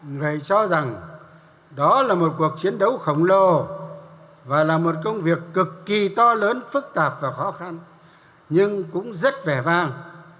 người cho rằng đó là một cuộc chiến đấu khổng lồ và là một công việc cực kỳ to lớn phức tạp và khó khăn nhưng cũng rất vẻ vang